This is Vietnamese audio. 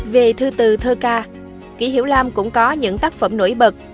về thư từ thơ ca kỷ hiểu lam cũng có những tác phẩm nổi bật